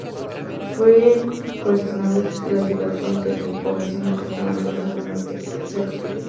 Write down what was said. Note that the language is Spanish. Fue cuestionable si la ciudad, con su población exclusivamente rusa, alguna vez se recuperó.